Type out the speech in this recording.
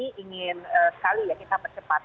ini ingin sekali ya kita percepat